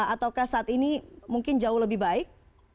ataukah saat ini mungkin jauh lebih baik